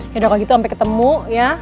yaudah kalau gitu sampai ketemu ya